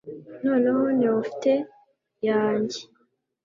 noneho neophte yanjye